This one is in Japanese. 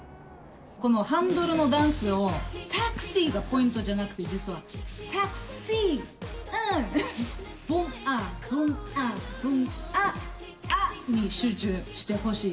このハンドルのダンス、タクシーがポイントじゃなくて、実はタクシー、うーん、ぶん、あっ、ぶん、あっ、に集中してほしい。